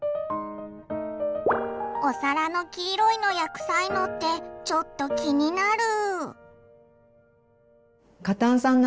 お皿の黄色いのや臭いのってちょっと気になる。